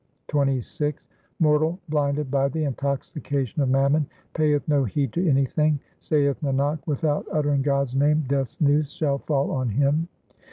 XXVI Mortal, blinded by the intoxication of mammon, payeth no heed to anything ; Saith Nanak, without uttering God's name Death's noose shall fall on him.